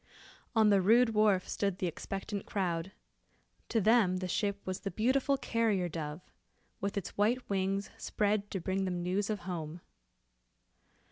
On the rude wharf stood the expectant crowd. To them the ship was the beautiful carrier dove, with its white wings spread to bring them news of home.